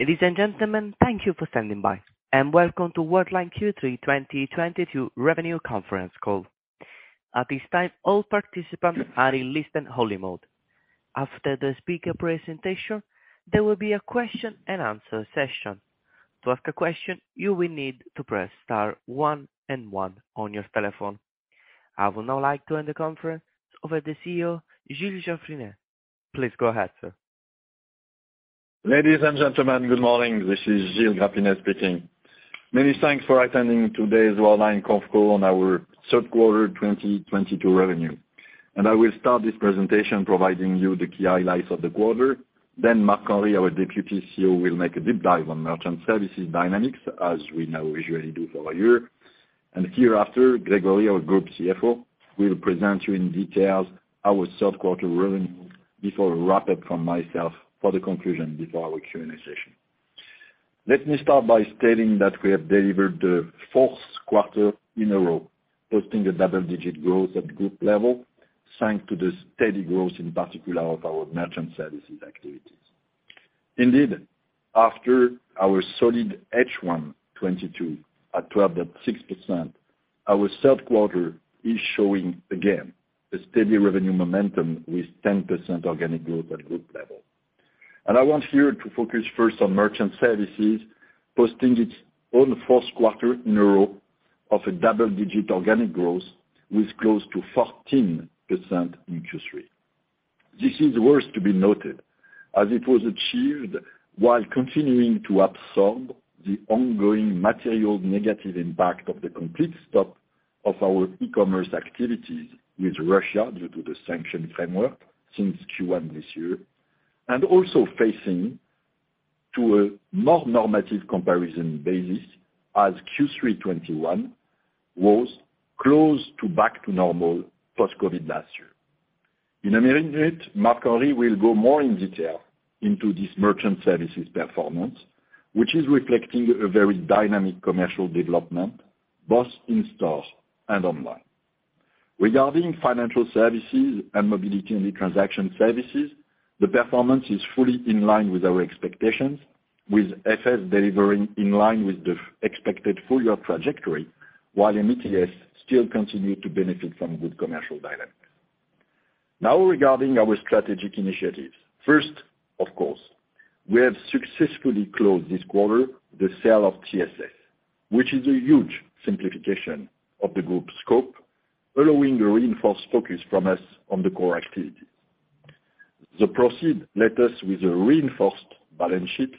Ladies and gentlemen, thank you for standing by, and welcome to Worldline Q3 2022 Revenue Conference Call. At this time, all participants are in listen-only mode. After the speaker presentation, there will be a question and answer session. To ask a question, you will need to press star one and one on your telephone. I would now like to hand the conference over to CEO Gilles Grapinet. Please go ahead, sir. Ladies and gentlemen, good morning. This is Gilles Grapinet speaking. Many thanks for attending today's Worldline conf call on our third quarter 2022 revenue. I will start this presentation providing you the key highlights of the quarter. Marc-Henri, our Deputy CEO, will make a deep dive on merchant services dynamics, as we now usually do for a year. Hereafter, Gregory, our Group CFO, will present you in details our third quarter revenue before a wrap-up from myself for the conclusion before our Q&A session. Let me start by stating that we have delivered the fourth quarter in a row, posting a double-digit growth at group level, thanks to the steady growth in particular of our merchant services activities. Indeed, after our solid H1 2022 at 12.6%, our third quarter is showing again a steady revenue momentum with 10% organic growth at group level. I want here to focus first on merchant services, posting its own fourth quarter in a row of a double-digit organic growth with close to 14% industry. This is worth to be noted, as it was achieved while continuing to absorb the ongoing material negative impact of the complete stop of our e-commerce activities with Russia due to the sanction framework since Q1 this year, and also facing a more normative comparison basis as Q3 2021 was close to back to normal post-COVID last year. In a minute, Marc-Henri will go more in detail into this merchant services performance, which is reflecting a very dynamic commercial development, both in stores and online. Regarding financial services and mobility and transaction services, the performance is fully in line with our expectations, with FS delivering in line with the expected full-year trajectory, while MTS still continue to benefit from good commercial dynamics. Now regarding our strategic initiatives. First, of course, we have successfully closed this quarter the sale of TSS, which is a huge simplification of the group scope, allowing a reinforced focus from us on the core activities. The proceeds left us with a reinforced balance sheet,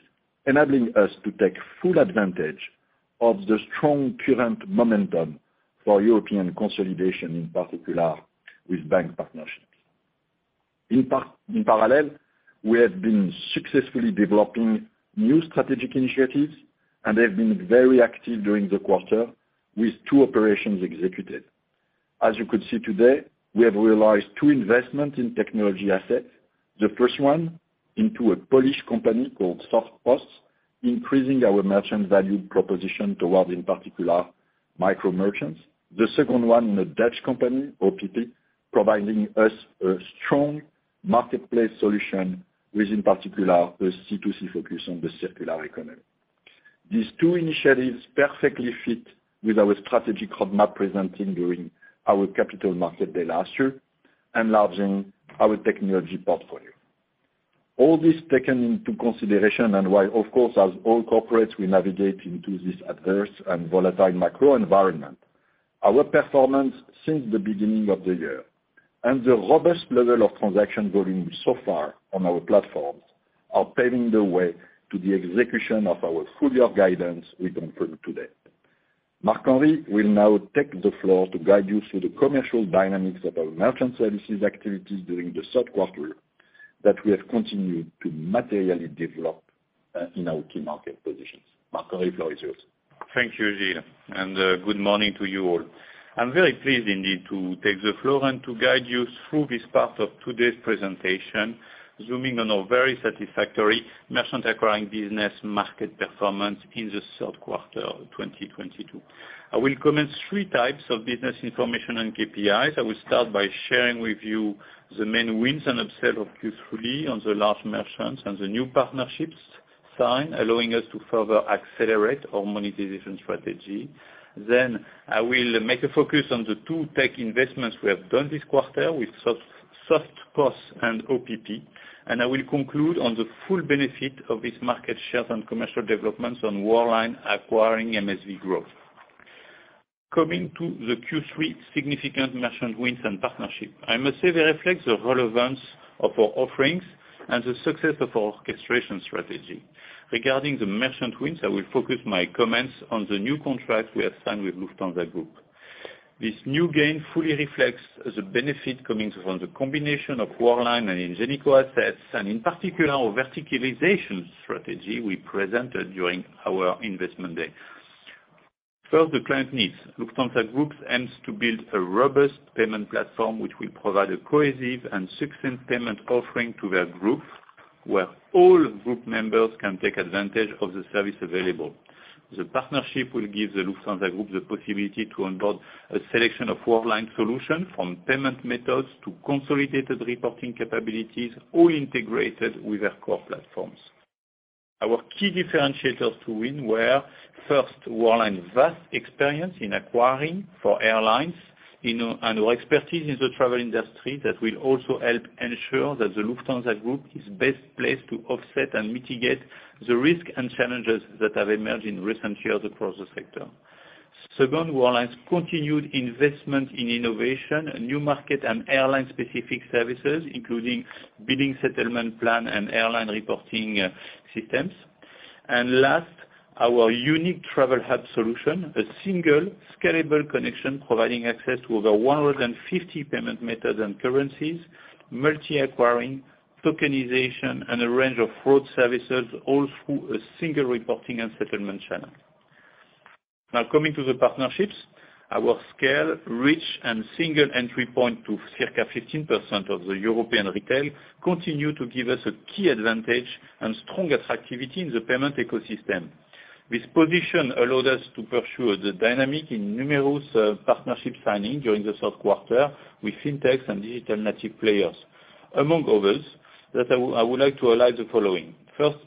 enabling us to take full advantage of the strong current momentum for European consolidation, in particular with bank partnerships. In parallel, we have been successfully developing new strategic initiatives, and they've been very active during the quarter with two operations executed. As you could see today, we have realized two investments in technology assets. The first one into a Polish company called SoftPos, increasing our merchant value proposition towards, in particular, micro merchants. The second one, a Dutch company, OPP, providing us a strong marketplace solution with, in particular, a C2C focus on the circular economy. These two initiatives perfectly fit with our strategic roadmap presented during our Capital Markets Day last year, enlarging our technology portfolio. All this taken into consideration and while of course, as all corporates, we navigate into this adverse and volatile macro environment, our performance since the beginning of the year and the robust level of transaction volume so far on our platforms are paving the way to the execution of our full-year guidance we confirm today. Marc-Henri will now take the floor to guide you through the commercial dynamics of our merchant services activities during the third quarter that we have continued to materially develop in our key market positions. Marc-Henri, floor is yours. Thank you, Gilles, and good morning to you all. I'm very pleased indeed to take the floor and to guide you through this part of today's presentation, zooming on our very satisfactory merchant acquiring business market performance in the third quarter of 2022. I will comment three types of business information and KPIs. I will start by sharing with you the main wins and upsell of Q3 on the large merchants and the new partnerships signed, allowing us to further accelerate our monetization strategy. I will make a focus on the two tech investments we have done this quarter with SoftPos and OPP, and I will conclude on the full benefit of this market share and commercial developments on Worldline acquiring MSV growth. Coming to the Q3 significant merchant wins and partnership, I must say they reflect the relevance of our offerings and the success of our orchestration strategy. Regarding the merchant wins, I will focus my comments on the new contract we have signed with Lufthansa Group. This new gain fully reflects the benefit coming from the combination of Worldline and Ingenico assets, and in particular, our verticalization strategy we presented during our investment day. Further to client needs. Lufthansa Group aims to build a robust payment platform which will provide a cohesive and succinct payment offering to their group, where all group members can take advantage of the service available. The partnership will give the Lufthansa Group the possibility to onboard a selection of Worldline solution from payment methods to consolidated reporting capabilities, all integrated with their core platforms. Our key differentiators to win were, first, Worldline's vast experience in acquiring for airlines, you know, and our expertise in the travel industry that will also help ensure that the Lufthansa Group is best placed to offset and mitigate the risk and challenges that have emerged in recent years across the sector. Second, Worldline's continued investment in innovation, new market, and airline-specific services, including billing settlement plan and airline reporting systems. Last, our unique travel hub solution, a single scalable connection providing access to over 150 payment methods and currencies, multi-acquiring tokenization, and a range of fraud services, all through a single reporting and settlement channel. Now coming to the partnerships, our scale, reach, and single entry point to circa 15% of the European retail continue to give us a key advantage and strong activity in the payment ecosystem. This position allowed us to pursue the dynamic in numerous partnership signing during the third quarter with FinTechs and digital native players. Among others I would like to highlight the following. First,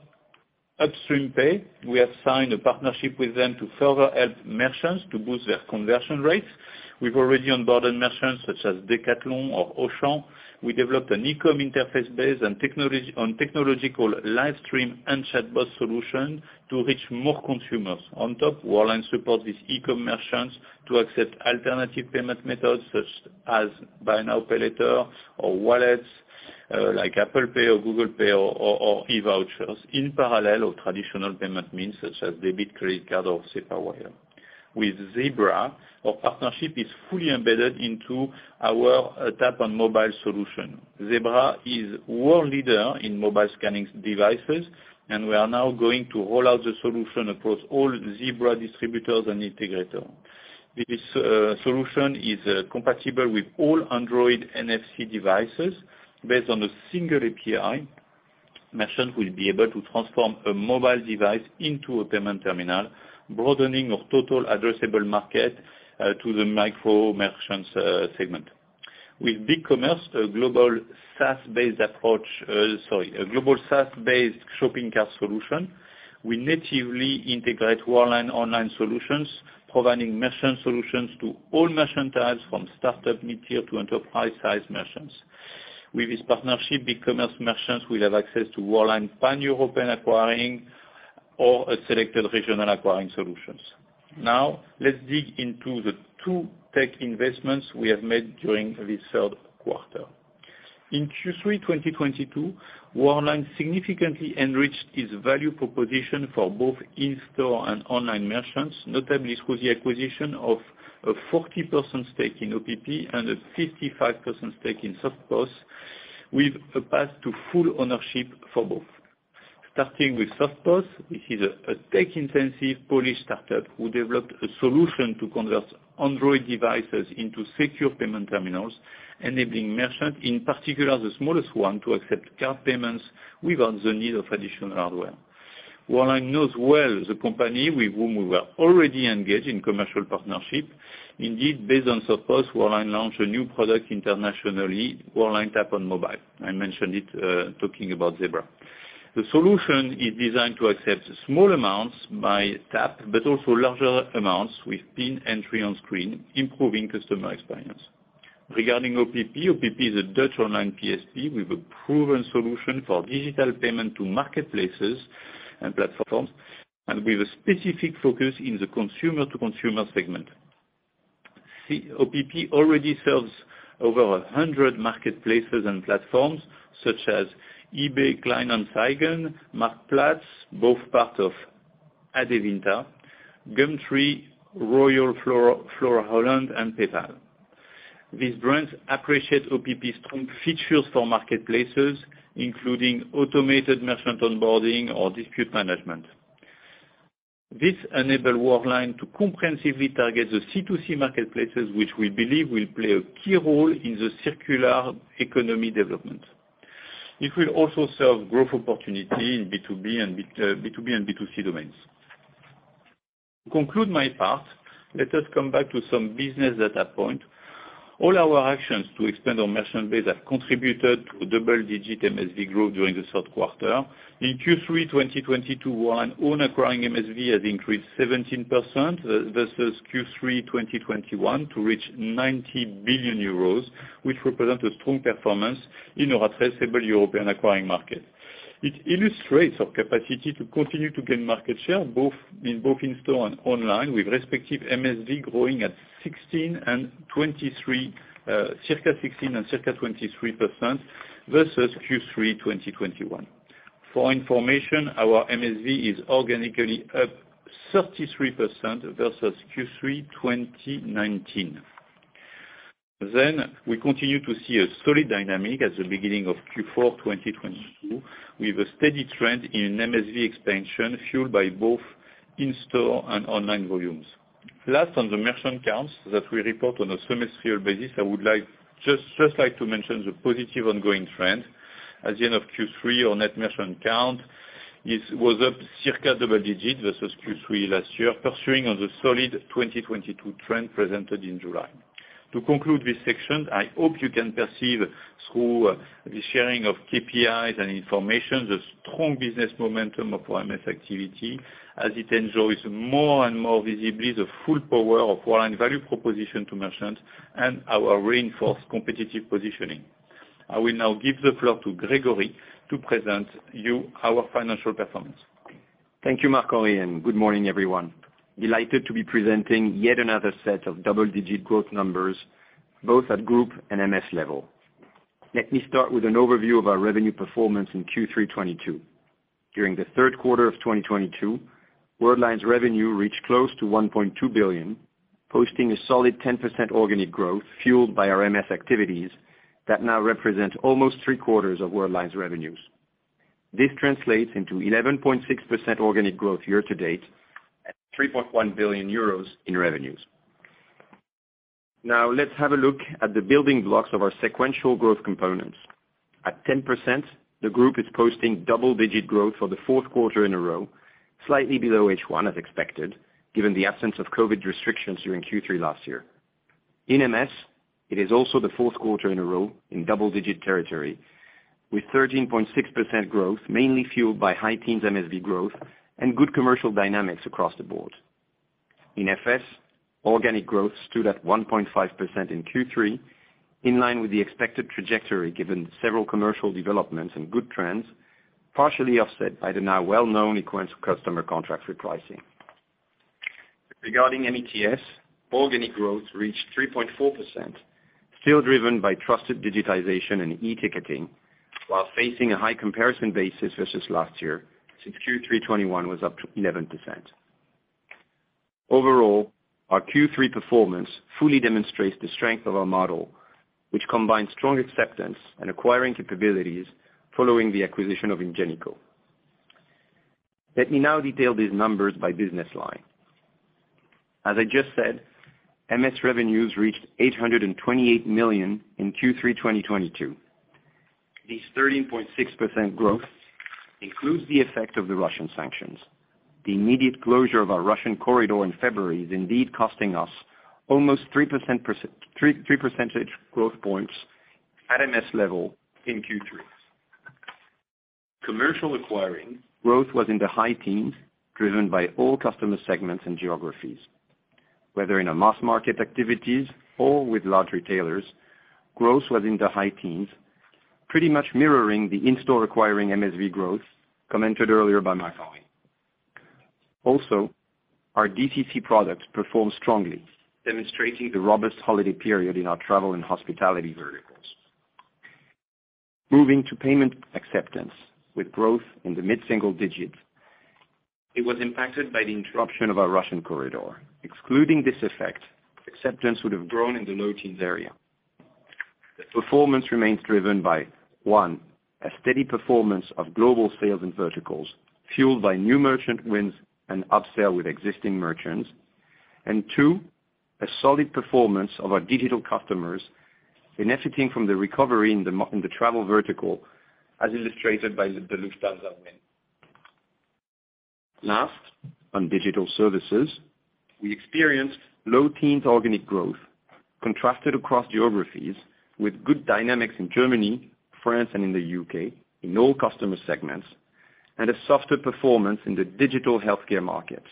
Upstream Pay, we have signed a partnership with them to further help merchants to boost their conversion rates. We've already onboarded merchants such as Decathlon or Auchan. We developed an e-com interface based on technological live stream and chatbot solution to reach more consumers. On top, Worldline supports these e-commerce merchants to accept alternative payment methods such as Buy Now, Pay Later or wallets like Apple Pay or Google Pay or e-vouchers in parallel of traditional payment means such as debit, credit card, or SEPA wire. With Zebra, our partnership is fully embedded into our Tap on Mobile solution. Zebra is world leader in mobile scanning devices, and we are now going to roll out the solution across all Zebra distributors and integrator. This solution is compatible with all Android NFC devices based on a single API. Merchants will be able to transform a mobile device into a payment terminal, broadening our total addressable market to the micro-merchants segment. With BigCommerce, a global SaaS-based shopping cart solution, we natively integrate Worldline online solutions, providing merchant solutions to all merchant types from startup, mid-tier to enterprise-sized merchants. With this partnership, BigCommerce merchants will have access to Worldline pan-European acquiring or a selected regional acquiring solutions. Now, let's dig into the two tech investments we have made during this third quarter. In Q3 of 2022, Worldline significantly enriched its value proposition for both in-store and online merchants, notably through the acquisition of a 40% stake in OPP and a 55% stake in SoftPos with a path to full ownership for both. Starting with SoftPos, this is a tech-intensive Polish startup who developed a solution to convert Android devices into secure payment terminals, enabling merchants, in particular the smallest ones, to accept card payments without the need of additional hardware. Worldline knows well the company with whom we were already engaged in commercial partnership. Indeed, based on SoftPos, Worldline launched a new product internationally, Worldline Tap on Mobile. I mentioned it talking about Zebra. The solution is designed to accept small amounts by tap, but also larger amounts with PIN entry on screen, improving customer experience. Regarding OPP is a Dutch online PSP with a proven solution for digital payment to marketplaces and platforms, and with a specific focus in the consumer-to-consumer segment. OPP already serves over 100 marketplaces and platforms such as eBay Kleinanzeigen, Marktplaats, both part of Adevinta, Gumtree, Royal Flora, Holland, and PayPal. These brands appreciate OPP's strong features for marketplaces, including automated merchant onboarding or dispute management. This enable Worldline to comprehensively target the C2C marketplaces, which we believe will play a key role in the circular economy development. It will also serve growth opportunity in B2B and B2C domains. To conclude my part, let us come back to some business data point. All our actions to expand our merchant base have contributed to double-digit MSV growth during the third quarter. In Q3 of 2022, Worldline own acquiring MSV has increased 17% versus Q3 of 2021 to reach 90 billion euros, which represent a strong performance in our addressable European acquiring market. It illustrates our capacity to continue to gain market share both in-store and online with respective MSV growing at 16 and 23, circa 16 and circa 23% versus Q3 of 2021. For information, our MSV is organically up 33% versus Q3 of 2019. We continue to see a solid dynamic at the beginning of Q4 of 2022, with a steady trend in MSV expansion fueled by both in-store and online volumes. Last on the merchant counts that we report on a semestrial basis, I would just like to mention the positive ongoing trend. At the end of Q3, our net merchant count was up circa double digit versus Q3 last year, pursuing on the solid 2022 trend presented in July. To conclude this section, I hope you can perceive through the sharing of KPIs and information, the strong business momentum of our MS activity as it enjoys more and more visibly the full power of Worldline value proposition to merchants and our reinforced competitive positioning. I will now give the floor to Grégory to present to you our financial performance. Thank you, Marc-Henri, and good morning, everyone. Delighted to be presenting yet another set of double-digit growth numbers, both at group and MS level. Let me start with an overview of our revenue performance in Q3 2022. During the third quarter of 2022, Worldline's revenue reached close to 1.2 billion, posting a solid 10% organic growth fueled by our MS activities that now represent almost three-quarters of Worldline's revenues. This translates into 11.6% organic growth year-to-date at 3.1 billion euros in revenues. Now, let's have a look at the building blocks of our sequential growth components. At 10%, the group is posting double-digit growth for the fourth quarter in a row, slightly below H1, as expected, given the absence of COVID restrictions during Q3 last year. In MS, it is also the fourth quarter in a row in double-digit territory with 13.6% growth, mainly fueled by high teens MSV growth and good commercial dynamics across the board. In FS, organic growth stood at 1.5% in Q3, in line with the expected trajectory, given several commercial developments and good trends, partially offset by the now well-known Equens customer contract repricing. Regarding NETS, organic growth reached 3.4%, still driven by trusted digitization and e-ticketing while facing a high comparison basis versus last year since Q3 2021 was up to 11%. Overall, our Q3 performance fully demonstrates the strength of our model, which combines strong acceptance and acquiring capabilities following the acquisition of Ingenico. Let me now detail these numbers by business line. As I just said, MS revenues reached 828 million in Q3 2022. This 13.6% growth includes the effect of the Russian sanctions. The immediate closure of our Russian corridor in February is indeed costing us almost three percentage points at MS level in Q3. Commercial acquiring growth was in the high teens, driven by all customer segments and geographies. Whether in our mass market activities or with large retailers, growth was in the high teens, pretty much mirroring the in-store acquiring MSV growth commented earlier by Marc-Henri. Also, our DTC products performed strongly, demonstrating the robust holiday period in our travel and hospitality verticals. Moving to payment acceptance with growth in the mid-single digit, it was impacted by the interruption of our Russian corridor. Excluding this effect, acceptance would have grown in the low teens area. The performance remains driven by one, a steady performance of global sales and verticals fueled by new merchant wins and upsell with existing merchants. Two, a solid performance of our digital customers benefiting from the recovery in the travel vertical, as illustrated by the Lufthansa win. Last, on digital services, we experienced low teens organic growth contrasted across geographies with good dynamics in Germany, France, and in the U.K. in all customer segments, and a softer performance in the digital healthcare market.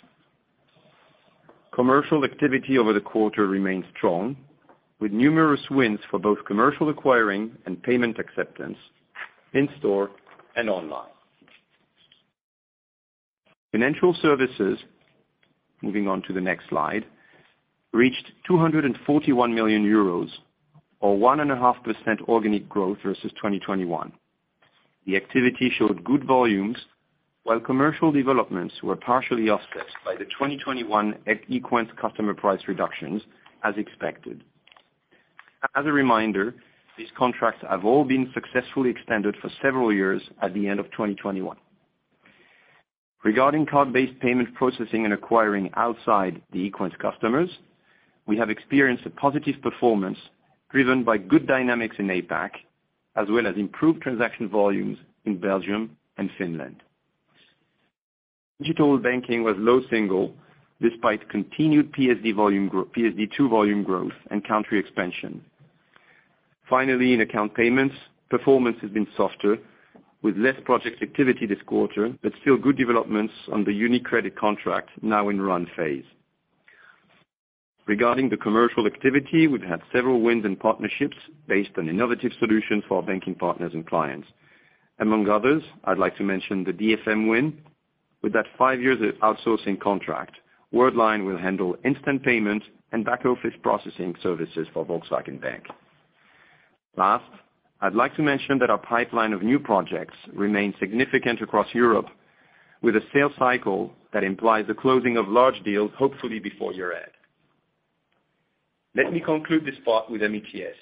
Commercial activity over the quarter remains strong, with numerous wins for both commercial acquiring and payment acceptance in store and online. Financial services, moving on to the next slide, reached 241 million euros or 1.5% organic growth versus 2021. The activity showed good volumes while commercial developments were partially offset by the 2021 Equens customer price reductions, as expected. As a reminder, these contracts have all been successfully extended for several years at the end of 2021. Regarding card-based payment processing and acquiring outside the Equens customers, we have experienced a positive performance driven by good dynamics in APAC, as well as improved transaction volumes in Belgium and Finland. Digital banking was low single despite continued PSD2 volume growth and country expansion. Finally, in account payments, performance has been softer with less project activity this quarter, but still good developments on the UniCredit contract now in run phase. Regarding the commercial activity, we've had several wins and partnerships based on innovative solutions for our banking partners and clients. Among others, I'd like to mention the DFM win. With that five-year outsourcing contract, Worldline will handle instant payment and back-office processing services for Volkswagen Bank. Last, I'd like to mention that our pipeline of new projects remains significant across Europe with a sales cycle that implies the closing of large deals, hopefully before year-end. Let me conclude this part with MeTS.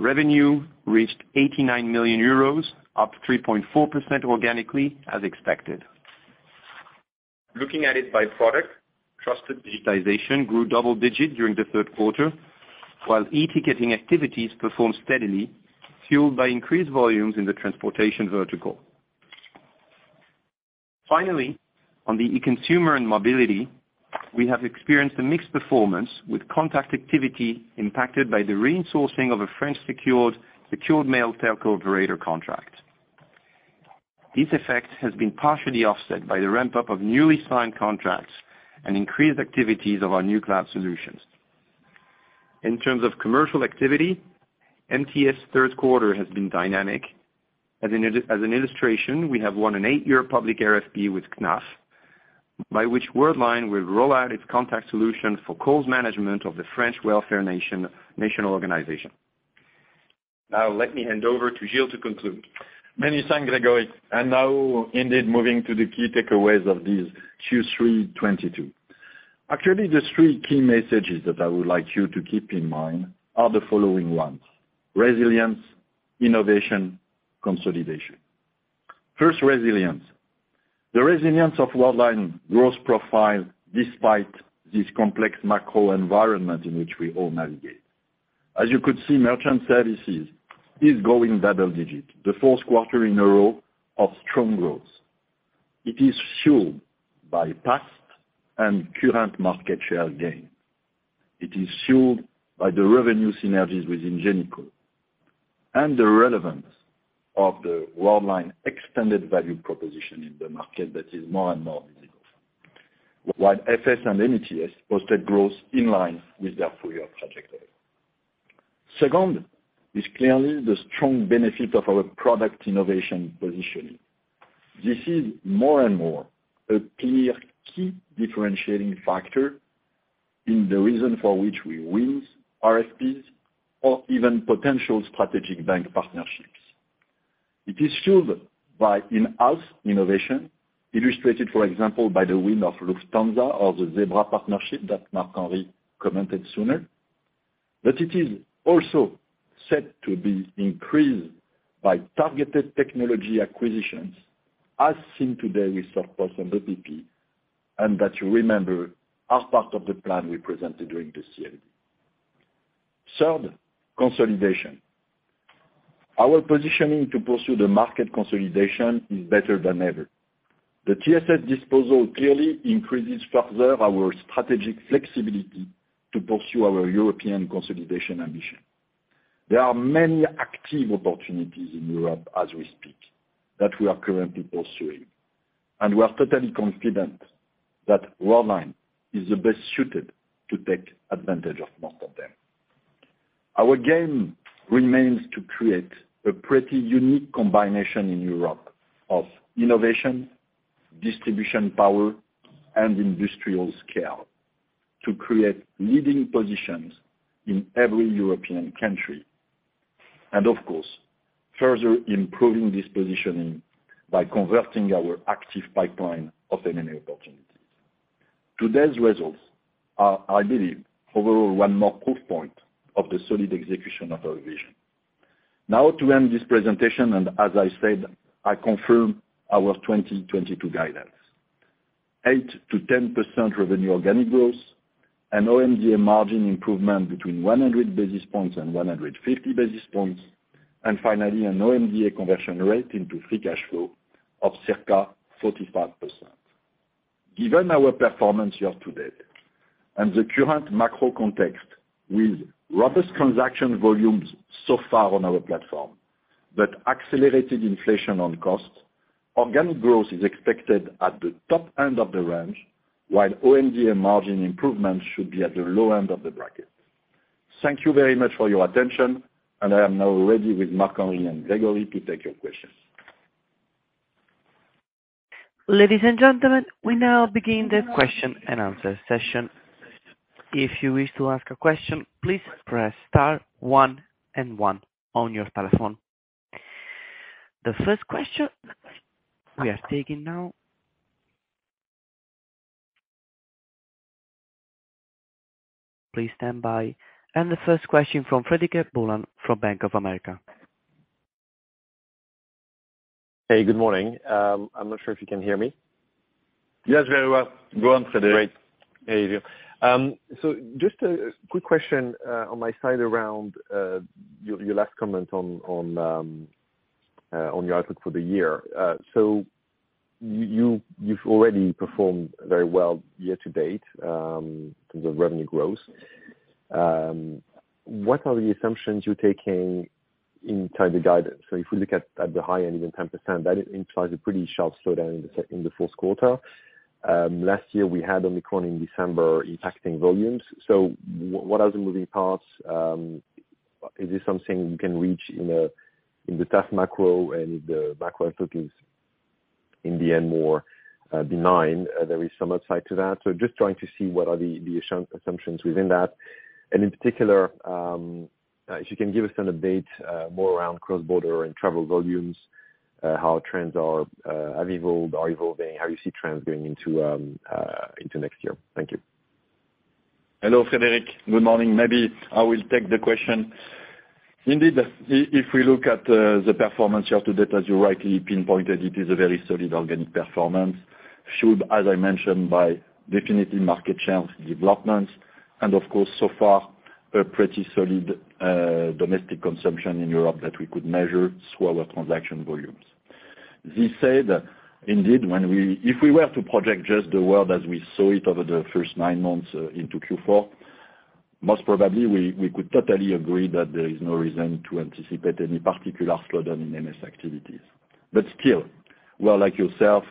Revenue reached 89 million euros, up 3.4% organically as expected. Looking at it by product, trusted digitization grew double digit during the third quarter, while e-ticketing activities performed steadily, fueled by increased volumes in the transportation vertical. Finally, on the e-consumer and mobility, we have experienced a mixed performance with contact activity impacted by the re-sourcing of a French secured mail telco contract. This effect has been partially offset by the ramp-up of newly signed contracts and increased activities of our new cloud solutions. In terms of commercial activity, MTS third quarter has been dynamic. As an illustration, we have won an eight year public RFP with CNAF, by which Worldline will roll out its contact solution for calls management of the French Welfare National Organization. Now let me hand over to Gilles to conclude. Many thanks, Grégory. Now indeed moving to the key takeaways of this Q3 2022. Actually, there's three key messages that I would like you to keep in mind are the following ones. Resilience, innovation, consolidation. First, resilience. The resilience of Worldline growth profile despite this complex macro environment in which we all navigate. As you could see, merchant services is growing double-digit, the fourth quarter in a row of strong growth. It is fueled by past and current market share gain. It is fueled by the revenue synergies within Ingenico and the relevance of the Worldline extended value proposition in the market that is more and more visible. While FS and MeTS posted growth in line with their full-year trajectory. Second is clearly the strong benefit of our product innovation positioning. This is more and more a clear key differentiating factor in the reason for which we wins RFPs or even potential strategic bank partnerships. It is fueled by in-house innovation, illustrated, for example, by the win of Lufthansa or the Zebra partnership that Marc-Henri commented sooner. It is also set to be increased by targeted technology acquisitions, as seen today with SoftPos and OPP, and that you remember as part of the plan we presented during the CMD. Third, consolidation. Our positioning to pursue the market consolidation is better than ever. The TSS disposal clearly increases further our strategic flexibility to pursue our European consolidation ambition. There are many active opportunities in Europe as we speak, that we are currently pursuing, and we are totally confident that Worldline is the best suited to take advantage of most of them. Our game remains to create a pretty unique combination in Europe of innovation, distribution power, and industrial scale to create leading positions in every European country. Of course, further improving this positioning by converting our active pipeline of M&A opportunities. Today's results are, I believe, overall one more proof point of the solid execution of our vision. Now to end this presentation, and as I said, I confirm our 2022 guidance, 8%-10% revenue organic growth, an OMDA margin improvement between 100 basis points and 150 basis points, and finally an OMDA conversion rate into free cash flow of circa 45%. Given our performance year to date and the current macro context with robust transaction volumes so far on our platform but accelerated inflation on cost, organic growth is expected at the top end of the range, while OMDA margin improvement should be at the low end of the bracket. Thank you very much for your attention, and I am now ready with Marc-Henri and Gregory to take your questions. Ladies and gentlemen, we now begin the question and answer session. If you wish to ask a question, please press star one and one on your telephone. The first question we are taking now. Please stand by. The first question from Frédéric Boulan from Bank of America. Hey, good morning. I'm not sure if you can hear me. Yes, very well. Go on, Frédéric. Great. There you go. Just a quick question on my side around your last comment on your outlook for the year. You've already performed very well year to date in terms of revenue growth. What are the assumptions you're taking in terms of guidance? If we look at the high end, even 10%, that implies a pretty sharp slowdown in the fourth quarter. Last year we had only COVID in December impacting volumes. What are the moving parts? Is this something we can reach in the tough macro and if the macro outlook is in the end more benign, there is some upside to that. Just trying to see what are the assumptions within that. In particular, if you can give us an update more around cross-border and travel volumes. How trends are, have evolved or evolving, how you see trends going into next year. Thank you. Hello, Frédéric. Good morning. Maybe I will take the question. Indeed, if we look at the performance here today, as you rightly pinpointed, it is a very solid organic performance. Fueled, as I mentioned, by definitely market share developments and of course, so far, a pretty solid domestic consumption in Europe that we could measure through our transaction volumes. This said, indeed, if we were to project just the world as we saw it over the first nine months into Q4, most probably, we could totally agree that there is no reason to anticipate any particular slowdown in MS activities. Still, while like yourself,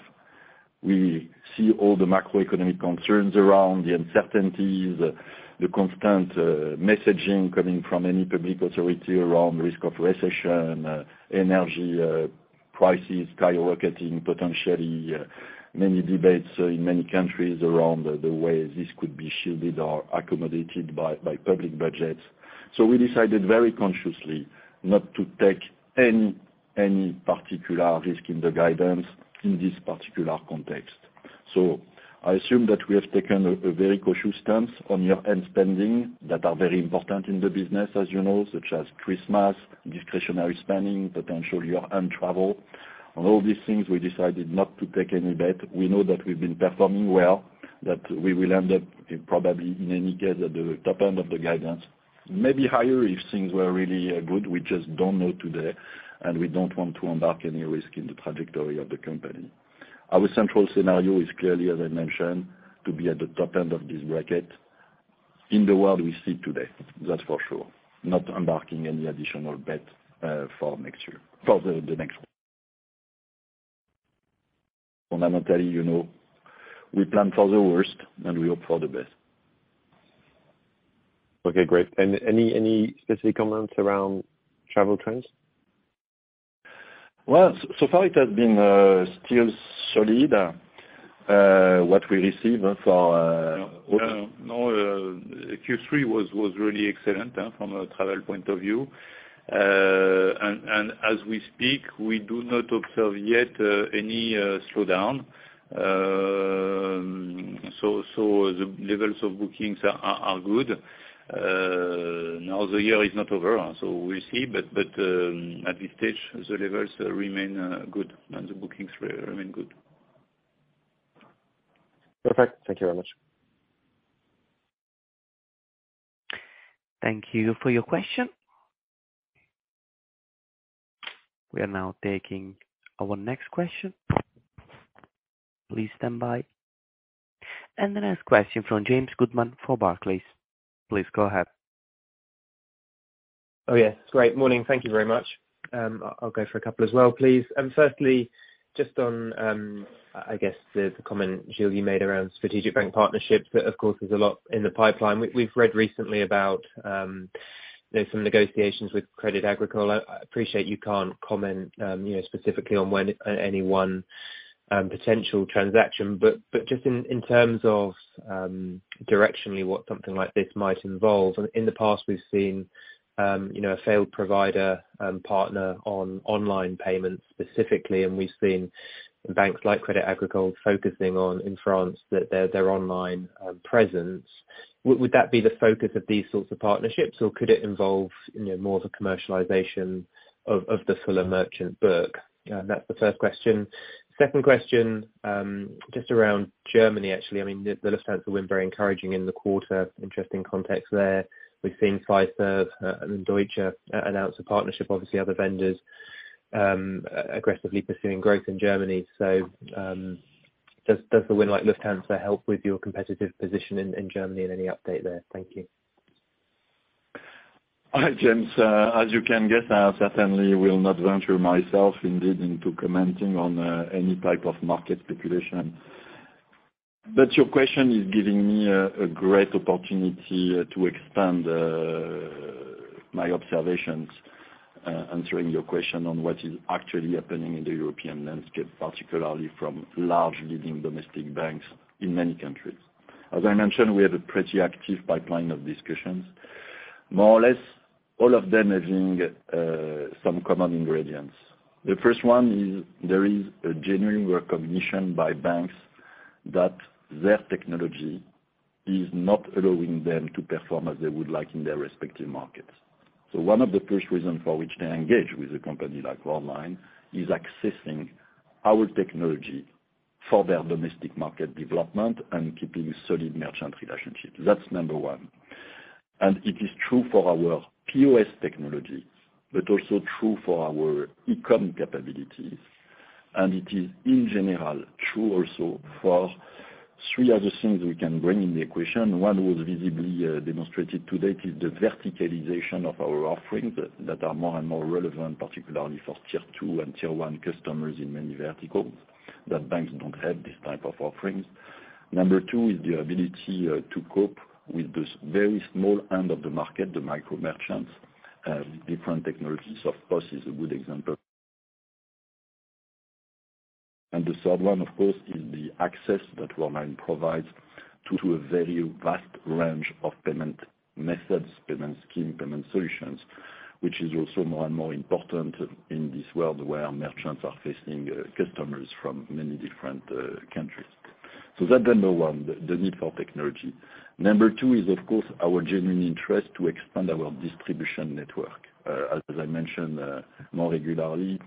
we see all the macroeconomic concerns around the uncertainties, the constant messaging coming from any public authority around risk of recession, energy prices skyrocketing, potentially, many debates in many countries around the way this could be shielded or accommodated by public budgets. We decided very consciously not to take any particular risk in the guidance in this particular context. I assume that we have taken a very cautious stance on year-end spending that are very important in the business, as you know, such as Christmas, discretionary spending, potential year-end travel. On all these things, we decided not to take any bet. We know that we've been performing well, that we will end up probably in any case at the top end of the guidance, maybe higher if things were really good. We just don't know today, and we don't want to embark on any risk in the trajectory of the company. Our central scenario is clearly, as I mentioned, to be at the top end of this bracket in the world we see today. That's for sure. Not embarking on any additional bet for next year, for the next one. Fundamentally, you know, we plan for the worst, and we hope for the best. Okay, great. Any specific comments around travel trends? Well, so far it has been still solid. Q3 was really excellent from a travel point of view. As we speak, we do not observe yet any slowdown. The levels of bookings are good. Now the year is not over, so we'll see. At this stage, the levels remain good and the bookings remain good. Perfect. Thank you very much. Thank you for your question. We are now taking our next question. Please stand by. The next question from James Goodman for Barclays. Please go ahead. Oh, yes. Great. Morning. Thank you very much. I'll go for a couple as well, please. Firstly, just on, I guess the comment, Gilles, you made around strategic bank partnerships, but of course, there's a lot in the pipeline. We've read recently about some negotiations with Crédit Agricole. I appreciate you can't comment, you know, specifically on when any one potential transaction. Just in terms of directionally what something like this might involve. In the past, we've seen, you know, a failed provider and partner on online payments specifically, and we've seen banks like Crédit Agricole focusing on, in France, their online presence. Would that be the focus of these sorts of partnerships, or could it involve, you know, more of the commercialization of the fuller merchant book? That's the first question. Second question, just around Germany, actually. I mean, the Lufthansa win very encouraging in the quarter. Interesting context there. We've seen Fiserv and Deutsche Bank announce a partnership, obviously other vendors aggressively pursuing growth in Germany. Does the win like Lufthansa help with your competitive position in Germany? And any update there? Thank you. Hi, James. As you can guess, I certainly will not venture myself indeed into commenting on any type of market speculation. Your question is giving me a great opportunity to expand my observations answering your question on what is actually happening in the European landscape, particularly from large leading domestic banks in many countries. As I mentioned, we have a pretty active pipeline of discussions. More or less, all of them having some common ingredients. The first one is there is a genuine recognition by banks that their technology is not allowing them to perform as they would like in their respective markets. One of the first reasons for which they engage with a company like Worldline is accessing our technology for their domestic market development and keeping solid merchant relationships. That's number one. It is true for our POS technology, but also true for our eCom capabilities. It is, in general, true also for three other things we can bring in the equation. One was visibly demonstrated today is the verticalization of our offerings that are more and more relevant, particularly for tier two and tier one customers in many verticals that banks don't have these type of offerings. Number two is the ability to cope with this very small end of the market, the micro merchants. Different technologies, of course, is a good example. And the third one, of course, is the access that Worldline provides to a very vast range of payment methods, payment scheme, payment solutions, which is also more and more important in this world where merchants are facing customers from many different countries. That's number one, the need for technology. Number two is, of course, our genuine interest to expand our distribution network. As I mentioned more regularly,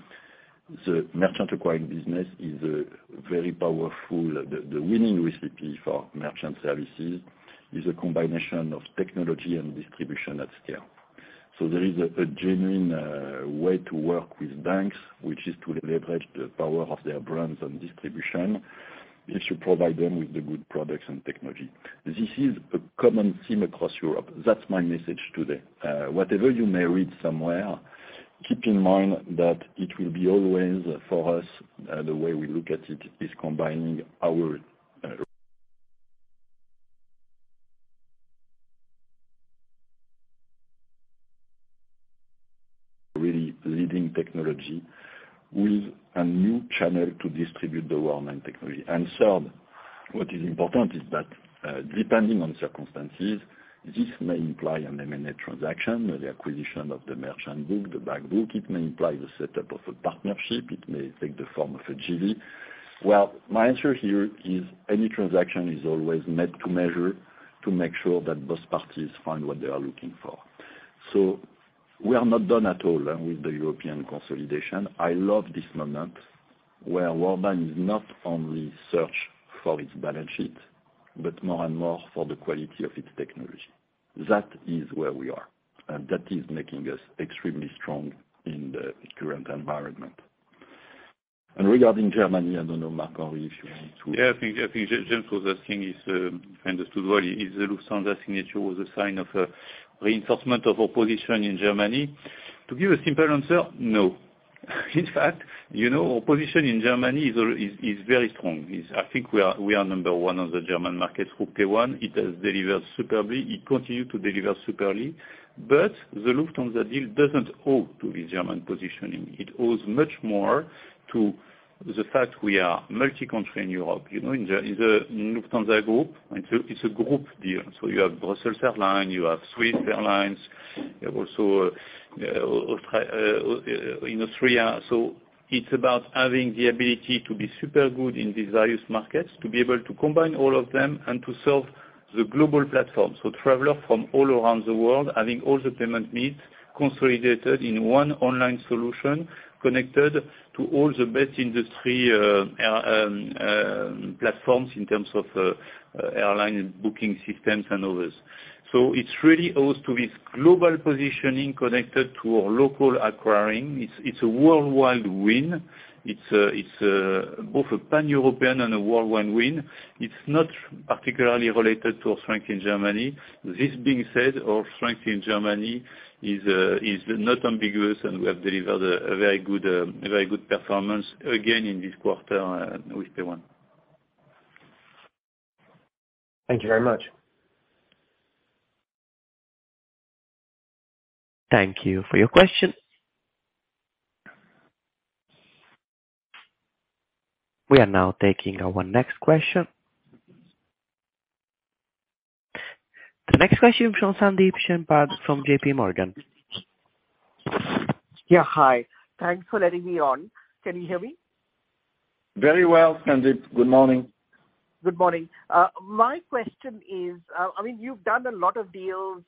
the merchant acquiring business is a very powerful. The winning recipe for merchant services is a combination of technology and distribution at scale. There is a genuine way to work with banks, which is to leverage the power of their brands and distribution if you provide them with the good products and technology. This is a common theme across Europe. That's my message today. Whatever you may read somewhere, keep in mind that it will be always for us, the way we look at it is combining our really leading technology with a new channel to distribute the Worldline technology. Third, what is important is that, depending on circumstances, this may imply an M&A transaction or the acquisition of the merchant book, the back book. It may imply the setup of a partnership. It may take the form of a JV. Well, my answer here is any transaction is always made to measure to make sure that both parties find what they are looking for. We are not done at all with the European consolidation. I love this moment where Worldline is not only searching for its balance sheet, but more and more for the quality of its technology. That is where we are, and that is making us extremely strong in the current environment. Regarding Germany, I don't know, Marc-Henri, if you want to- I think James was asking, if I understood well, is the Lufthansa signature a sign of a reinforcement of our position in Germany. To give a simple answer, no. In fact, you know, our position in Germany is very strong. I think we are number one on the German market through Payone. It has delivered superbly. It continued to deliver superbly. But the Lufthansa deal isn't due to the German positioning. It is due much more to the fact we are multi-country in Europe. You know, in the Lufthansa Group, it's a group deal. So you have Brussels Airlines, you have Swiss International Air Lines, you have also Austrian Airlines in Austria. It's about having the ability to be super good in these various markets, to be able to combine all of them, and to serve the global platform. Traveler from all around the world, having all the payment needs consolidated in one online solution, connected to all the best industry platforms in terms of airline booking systems and others. It's really owed to this global positioning connected to our local acquiring. It's a worldwide win. It's both a Pan-European and a worldwide win. It's not particularly related to our strength in Germany. This being said, our strength in Germany is not ambiguous, and we have delivered a very good performance again in this quarter with Payone. Thank you very much. Thank you for your question. We are now taking our next question. The next question from Sandeep Deshpande from JP Morgan. Yeah. Hi. Thanks for letting me on. Can you hear me? Very well, Sandeep. Good morning. Good morning. My question is, I mean, you've done a lot of deals,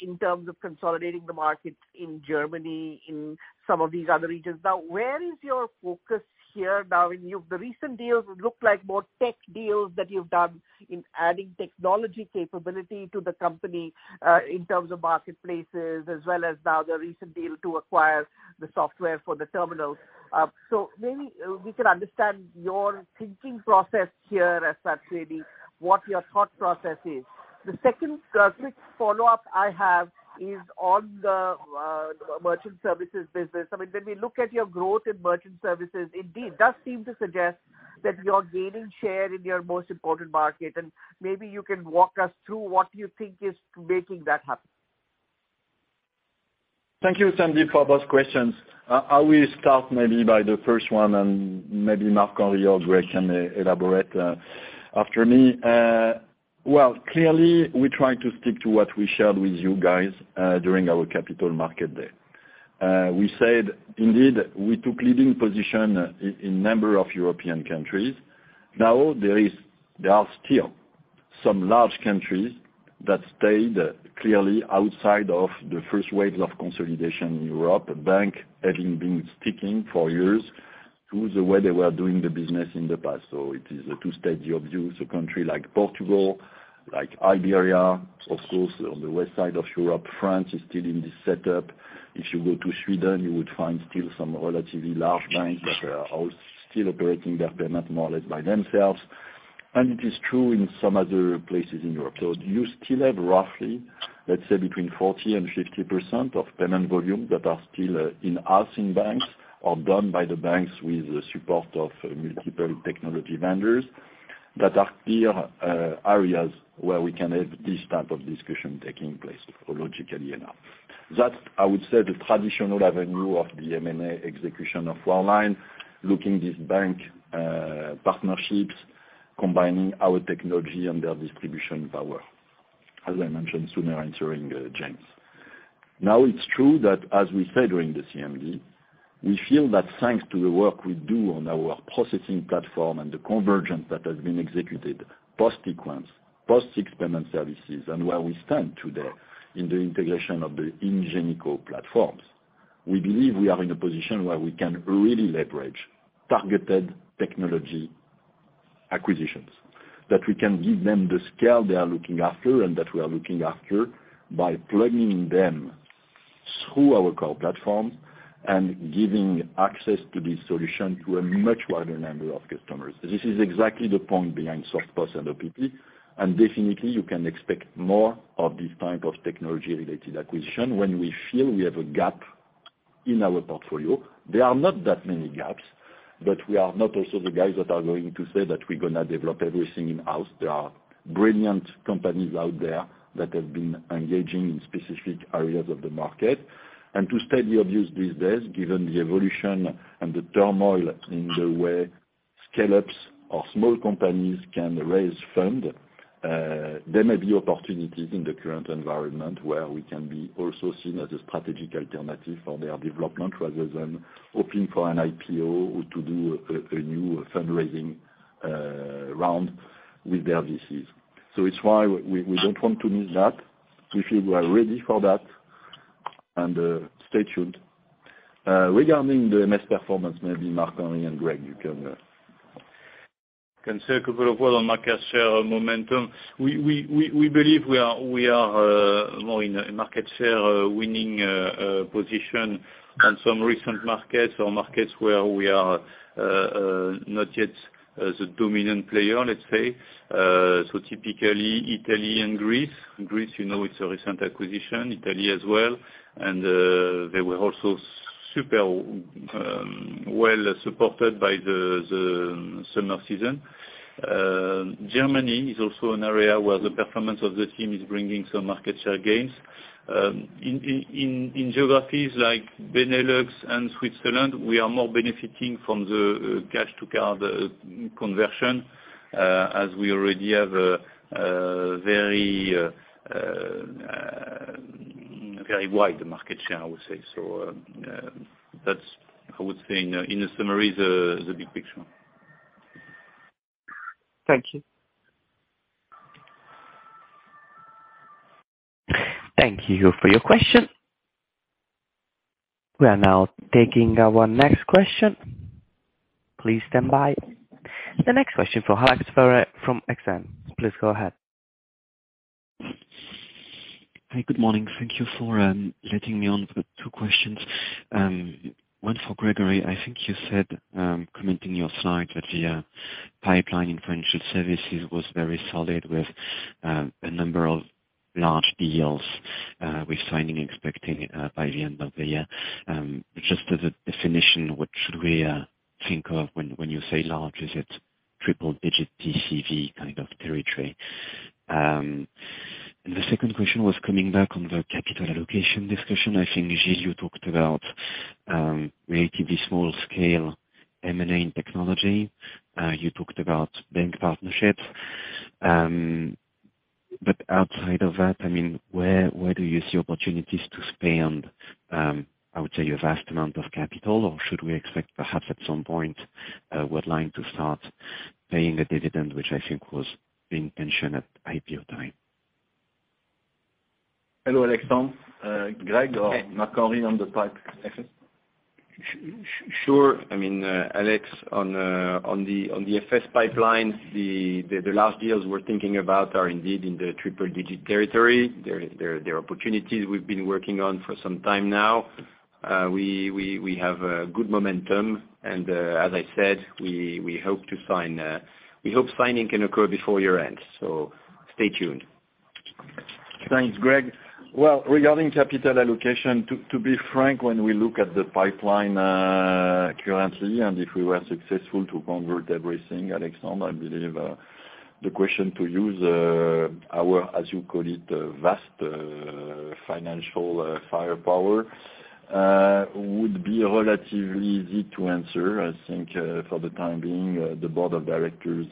in terms of consolidating the markets in Germany, in some of these other regions. Now, where is your focus here now? The recent deals look like more tech deals that you've done in adding technology capability to the company, in terms of marketplaces, as well as now the recent deal to acquire the software for the terminals. So maybe, we can understand your thinking process here as such, maybe what your thought process is. The second, quick follow-up I have is on the, merchant services business. I mean, when we look at your growth in merchant services, it indeed does seem to suggest that you're gaining share in your most important market, and maybe you can walk us through what you think is making that happen. Thank you, Sandeep, for both questions. I will start maybe by the first one, and maybe Marc-Henri or Grégory can elaborate after me. Well, clearly, we try to stick to what we shared with you guys during our Capital Markets Day. We said indeed, we took leading position in number of European countries. Now, there are still some large countries that stayed clearly outside of the first wave of consolidation in Europe. Bank having been sticking for years to the way they were doing the business in the past. It is a two-stage of view. Country like Portugal, like Iberia, of course, on the west side of Europe, France is still in this setup. If you go to Sweden, you would find still some relatively large banks that are all still operating their payment more or less by themselves, and it is true in some other places in Europe. You still have roughly, let's say, between 40%-50% of payment volume that are still in-house in banks or done by the banks with the support of multiple technology vendors. Those are clear areas where we can have this type of discussion taking place, logically enough. That's, I would say, the traditional avenue of the M&A execution of Worldline, looking at these bank partnerships, combining our technology and their distribution power, as I mentioned earlier, answering James. Now, it's true that as we said during the CMD, we feel that thanks to the work we do on our processing platform and the convergence that has been executed, post-Equens, post-SIX Payment Services, and where we stand today in the integration of the Ingenico platforms, we believe we are in a position where we can really leverage targeted technology acquisitions. That we can give them the scale they are looking for and that we are looking for by plugging them through our core platforms and giving access to this solution to a much wider number of customers. This is exactly the point behind SoftPos and OPP. Definitely, you can expect more of this type of technology-related acquisition when we feel we have a gap in our portfolio. There are not that many gaps, but we are not also the guys that are going to say that we're gonna develop everything in-house. There are brilliant companies out there that have been engaging in specific areas of the market. To state the obvious these days, given the evolution and the turmoil in the way scale-ups or small companies can raise funds, there may be opportunities in the current environment where we can be also seen as a strategic alternative for their development, rather than hoping for an IPO or to do a new fundraising round with their VCs. It's why we don't want to miss that. We feel we are ready for that, and stay tuned. Regarding the MeTS performance, maybe Marc-Henri and Grégory, you can say a couple of words on market share momentum. We believe we are more in a market share winning position on some recent markets or markets where we are not yet the dominant player, let's say. Typically Italy and Greece. Greece, you know, it's a recent acquisition, Italy as well, and they were also super well supported by the summer season. Germany is also an area where the performance of the team is bringing some market share gains. In geographies like Benelux and Switzerland, we are more benefiting from the cash to card conversion as we already have a very very wide market share, I would say. That's, I would say in a summary is the big picture. Thank you. Thank you for your question. We are now taking our next question. Please stand by. The next question from Alexandre from Exane. Please go ahead. Hi. Good morning. Thank you for letting me on. I've got two questions. One for Grégory. I think you said, commenting on your slide that the pipeline in financial services was very solid with a number of large deals with signing expected by the end of the year. Just as a definition, what should we think of when you say large? Is it triple-digit TCV kind of territory? The second question was coming back on the capital allocation discussion. I think, Gilles, you talked about relatively small scale M&A in technology. You talked about bank partnerships. But outside of that, I mean, where do you see opportunities to spend, I would say a vast amount of capital? Should we expect perhaps at some point, Worldline to start paying a dividend, which I think was being mentioned at IPO time? Hello, Alexandre. Grégory or Marc-Henri on the line. Sure. I mean, Alex, on the FS pipeline, the large deals we're thinking about are indeed in the triple digit territory. They're opportunities we've been working on for some time now. We have a good momentum. As I said, we hope to sign, we hope signing can occur before year-end, so stay tuned. Thanks, Grégory. Well, regarding capital allocation, to be frank, when we look at the pipeline currently, and if we were successful to convert everything, Alexandre, I believe the question to use our, as you call it, vast financial firepower, would be relatively easy to answer. I think, for the time being, the board of directors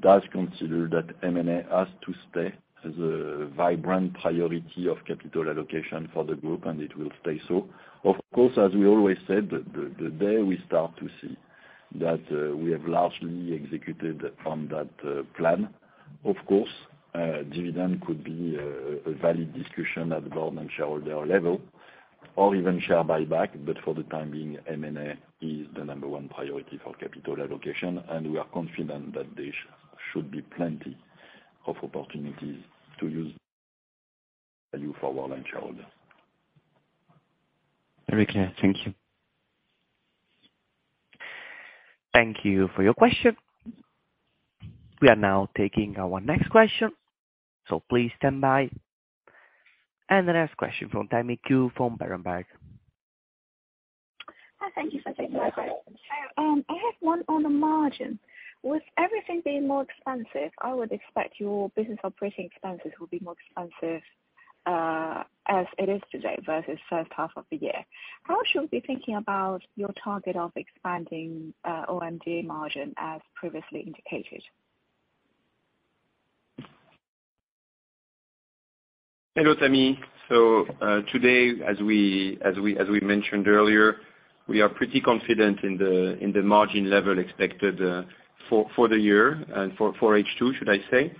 does consider that M&A has to stay as a vibrant priority of capital allocation for the group, and it will stay so. Of course, as we always said, the day we start to see that, we have largely executed on that plan, of course, dividend could be a valid discussion at board and shareholder level or even share buyback. For the time being, M&A is the number one priority for capital allocation, and we are confident that there should be plenty of opportunities to use value for Worldline shareholders. Very clear. Thank you. Thank you for your question. We are now taking our next question, so please stand by. The next question from Tammy Qiu from Berenberg. Thank you for taking my question. I have one on the margin. With everything being more expensive, I would expect your business operating expenses will be more expensive, as it is today versus first half of the year. How should we be thinking about your target of expanding OMDA margin as previously indicated? Hello, Tammy. Today as we mentioned earlier, we are pretty confident in the margin level expected for the year and for H2, should I say,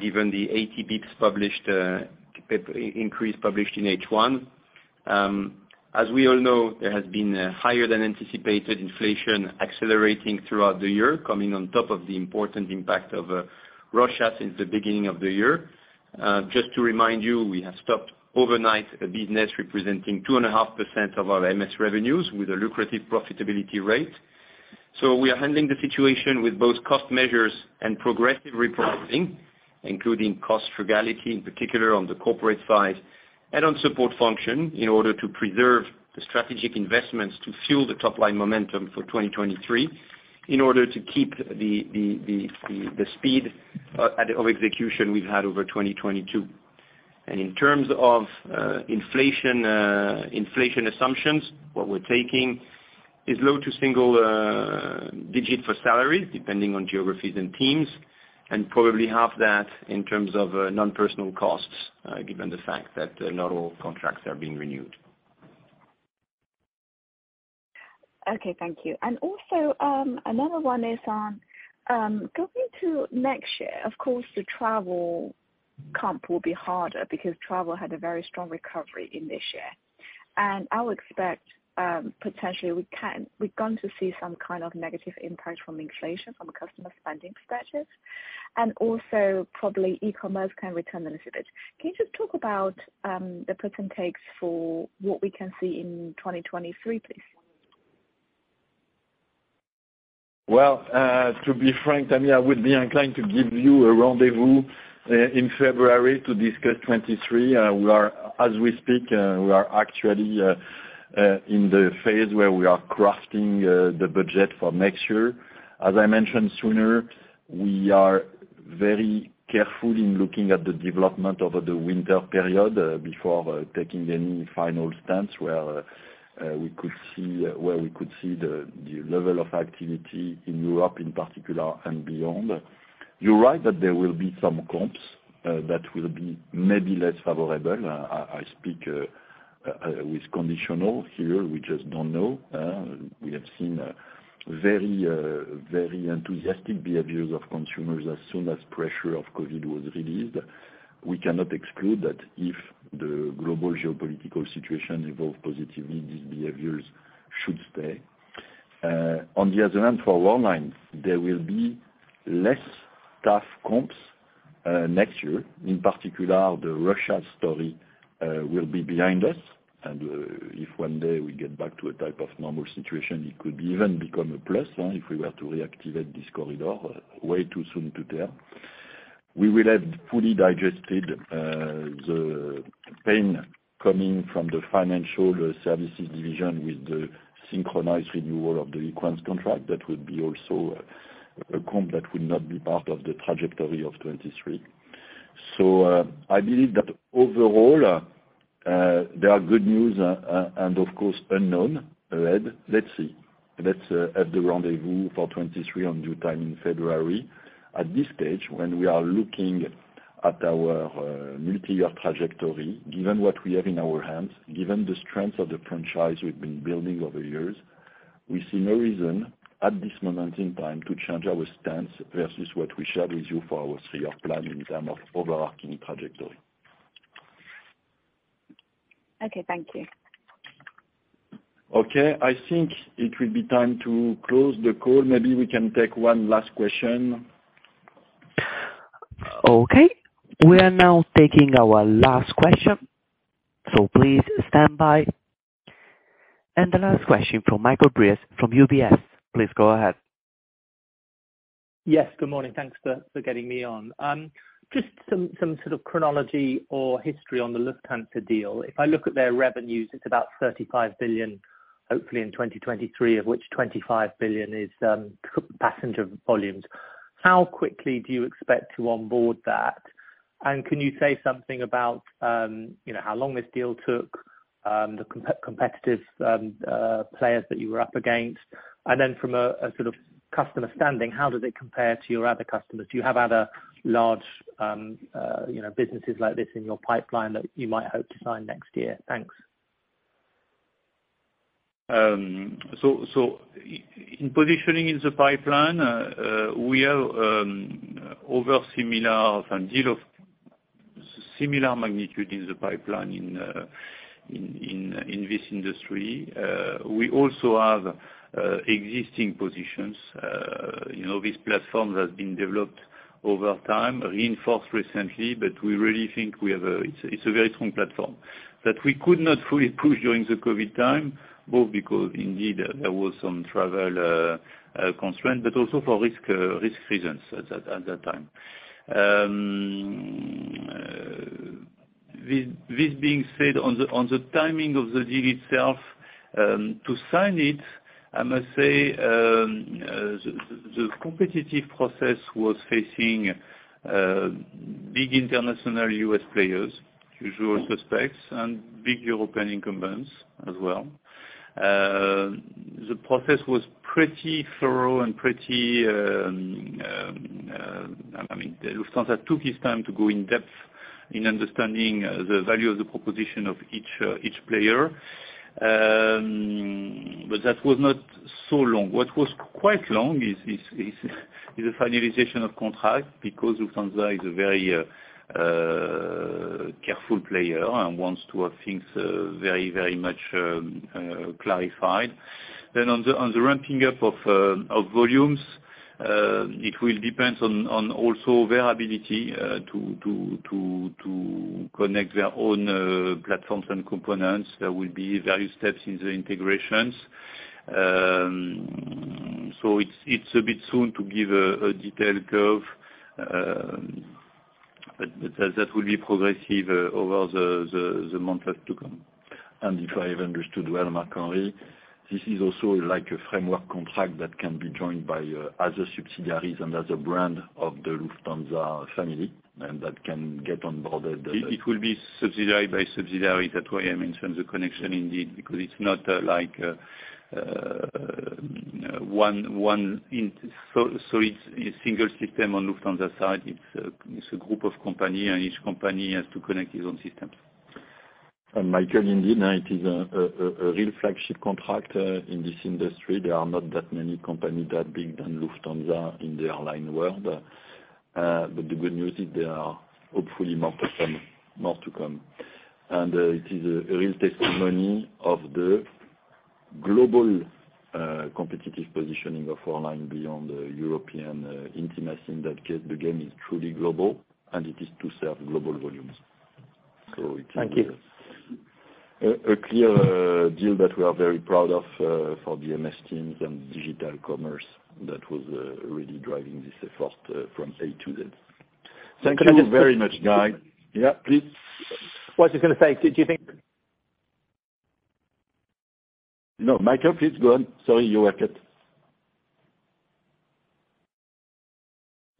given the 80 basis points increase published in H1. As we all know, there has been a higher than anticipated inflation accelerating throughout the year, coming on top of the important impact of Russia since the beginning of the year. Just to remind you, we have stopped overnight a business representing 2.5% of our MS revenues with a lucrative profitability rate. We are handling the situation with both cost measures and progressive repricing, including cost frugality, in particular on the corporate side and on support function, in order to preserve the strategic investments to fuel the top line momentum for 2023, in order to keep the speed of execution we've had over 2022. In terms of inflation assumptions, what we're taking is low to single digit for salaries depending on geographies and teams, and probably half that in terms of non-personal costs, given the fact that not all contracts are being renewed. Okay, thank you. Also, another one is on, going into next year, of course, the travel comp will be harder because travel had a very strong recovery in this year. I would expect, potentially we're going to see some kind of negative impact from inflation from a customer spending perspective and also probably e-commerce can return a little bit. Can you just talk about, the puts and takes for what we can see in 2023, please? Well, to be frank, Tammy, I would be inclined to give you a rendezvous in February to discuss 2023. As we speak, we are actually in the phase where we are crafting the budget for next year. As I mentioned sooner, we are very careful in looking at the development over the winter period before taking any final stance where we could see the level of activity in Europe in particular and beyond. You're right that there will be some comps that will be maybe less favorable. I speak with conditional here. We just don't know. We have seen very enthusiastic behaviors of consumers as soon as pressure of COVID was released. We cannot exclude that if the global geopolitical situation evolve positively, these behaviors should stay. On the other hand, for Worldline, there will be less tough comps next year. In particular, the Russia story will be behind us, and if one day we get back to a type of normal situation, it could even become a plus if we were to reactivate this corridor way too soon to tell. We will have fully digested the pain coming from the financial services division with the synchronized renewal of the Equens contract. That would be also a comp that would not be part of the trajectory of 2023. I believe that overall there are good news and of course unknowns, right. Let's see. Let's have the rendezvous for 2023 in due time in February. At this stage, when we are looking at our multi-year trajectory, given what we have in our hands, given the strength of the franchise we've been building over years, we see no reason at this moment in time to change our stance versus what we shared with you for our three-year plan in terms of overarching trajectory. Okay, thank you. Okay, I think it will be time to close the call. Maybe we can take one last question. Okay. We are now taking our last question, so please stand by. The last question from Michael Briest from UBS. Please go ahead. Yes, good morning. Thanks for getting me on. Just some sort of chronology or history on the Lufthansa deal. If I look at their revenues, it's about 35 billion, hopefully in 2023, of which 25 billion is passenger volumes. How quickly do you expect to onboard that? Can you say something about you know, how long this deal took, the competitive players that you were up against? Then from a sort of customer standpoint, how does it compare to your other customers? Do you have other large you know, businesses like this in your pipeline that you might hope to sign next year? Thanks. In positioning in the pipeline, we have another similar deal of similar magnitude in the pipeline in this industry. We also have existing positions. You know, this platform has been developed over time, reinforced recently, but we really think we have—it's a very strong platform that we could not fully push during the COVID time, both because indeed there was some travel constraint, but also for risk reasons at that time. This being said on the timing of the deal itself, to sign it, I must say, the competitive process was facing big international U.S. players, usual suspects and big European incumbents as well. The process was pretty thorough and pretty, I mean, Lufthansa took its time to go in depth in understanding the value of the proposition of each player. That was not so long. What was quite long is the finalization of contract because Lufthansa is a very careful player and wants to have things very, very much clarified. On the ramping up of volumes, it will depends on also their ability to connect their own platforms and components. There will be various steps in the integrations. It's a bit soon to give a detailed curve, but that will be progressive over the months to come. If I have understood well, Marc-Henri Desportes, this is also like a framework contract that can be joined by other subsidiaries and other brand of the Lufthansa family, and that can get on board the- It will be subsidiary by subsidiary. That's why I mentioned the connection indeed, because it's not like one. It's a single system on Lufthansa side. It's a group of company and each company has to connect its own systems. Michael, indeed, now it is a real flagship contract in this industry. There are not that many companies bigger than Lufthansa in the airline world. But the good news is there are hopefully more to come. It is a real testimony of the global competitive positioning of Worldline beyond the European entity. In that case, the game is truly global, and it is to serve global volumes. It is Thank you. A clear deal that we are very proud of for the MS teams and digital commerce that was really driving this effort from A to Z. Thank you very much, guys. Yeah, please. What I was gonna say, do you think? No, Michael, please go on. Sorry, you were cut.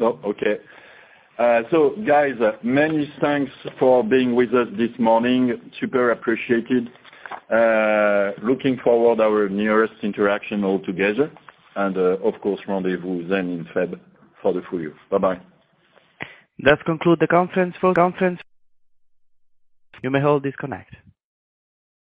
Okay. Guys, many thanks for being with us this morning. Super appreciated. Looking forward to our next interaction altogether and, of course, rendezvous then in February for the full year. Bye-bye. That concludes the conference. You may all disconnect.